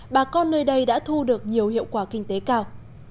bà con nơi đây đã thu được nhiều hiệu quả kinh tế cao